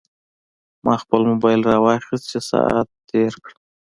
ما خپل موبایل راواخیست چې ساعت تېر کړم.